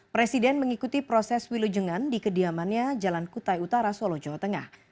presiden mengikuti proses wilujengan di kediamannya jalan kutai utara solo jawa tengah